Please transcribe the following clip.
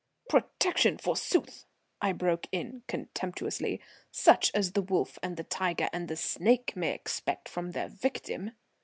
"Protection, forsooth!" I broke in, contemptuously. "Such as the wolf and the tiger and the snake expect from their victim."